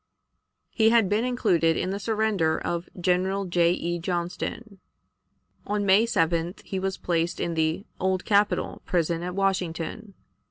He had been included in the surrender of General J. E. Johnston. On May 7th he was placed in the "Old Capitol" Prison at Washington.